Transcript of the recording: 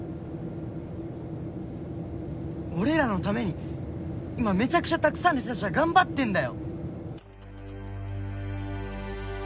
俺らのために今めちゃくちゃたくさんの人たちが頑張ってんだよ！